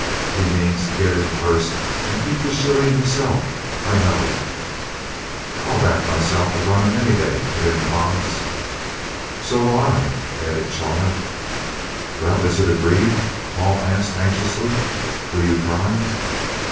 "He means to get in first and keep the shilling himself, I know." "I'll back myself to run him any day," put in Coggs. "So will I," added Chawner. "Well, is it agreed?" Paul asked anxiously. "Will you try?"